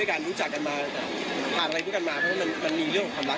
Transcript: เพราะจะพูดมาเขารักเขาแล้วค่ะเพราะว่าเราอยู่ด้วยกันมา